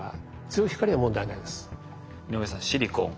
井上さんシリコン。